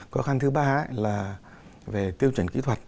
khó khăn thứ ba là về tiêu chuẩn kỹ thuật